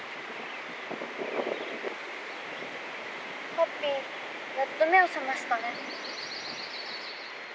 「ハッピーやっと目をさましたね」。